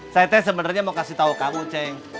cete sebenarnya mau kasih tahu kamu ceng